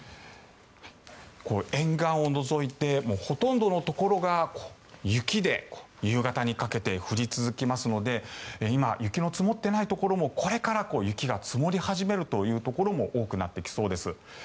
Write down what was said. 沿岸を除いてほとんどのところが雪で、夕方にかけて降り続きますので今、雪の積もっていないところもこれから雪が積もり始めるというところも多くなってきそうです。